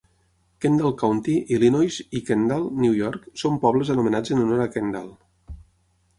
Kendall County, Illinois, i Kendall, New York, són pobles anomenats en honor a Kendall.